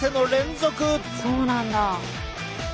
そうなんだ。